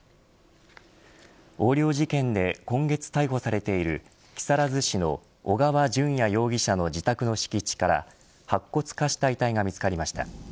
横領事件で今月逮捕されている木更津市の小川順也容疑者の自宅の敷地から白骨化した遺体が見つかりました。